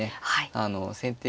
あの先手。